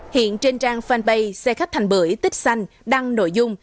hiện trên trang fanpage xe khách thành bưởi tích xanh đăng nội dung